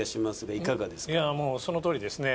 いやもうそのとおりですね。